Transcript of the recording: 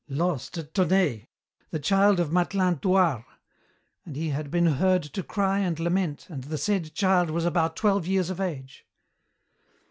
"Lost, at Thonaye, the child of Mathelin Thouars, 'and he had been heard to cry and lament and the said child was about twelve years of age.'